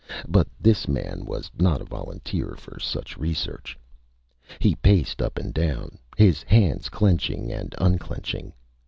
But this man was not a volunteer for such research. He paced up and down, his hands clenching and unclenching.